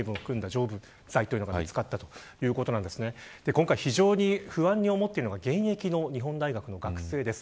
今回、非常に不安に思っているのが現役の日本大学の学生です。